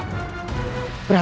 ter chega sekarang